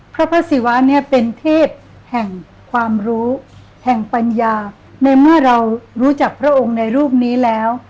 พระพระศิวะเนี่ยเป็นเทพแห่งความรู้แห่งปัญญาในเมื่อเรารู้จักพระองค์ในรูปนี้แล้ว